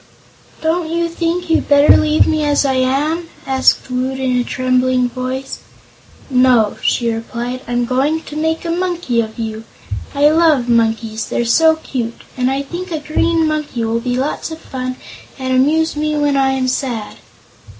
"Don't you think you'd better leave me as I am?" asked Woot in a trembling voice. "No," she replied, "I'm going to make a Monkey of you. I love monkeys they're so cute! and I think a Green Monkey will be lots of fun and amuse me when I am sad."